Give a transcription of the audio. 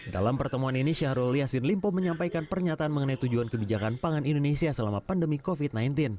dalam pertemuan ini syahrul yassin limpo menyampaikan pernyataan mengenai tujuan kebijakan pangan indonesia selama pandemi covid sembilan belas